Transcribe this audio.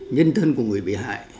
nhân thân của người bị hại